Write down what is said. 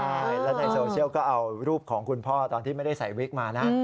ใช่แล้วในโซเชียลก็เอารูปของคุณพ่อตอนที่ไม่ได้ใส่วิกมานะ